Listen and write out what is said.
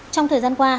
trong thời gian qua